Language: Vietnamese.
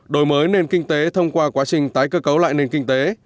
đổi mới nền kinh tế thông qua quá trình tái cơ cấu lại nền kinh tế